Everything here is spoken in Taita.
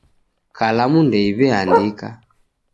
Kalamu ndeiweandika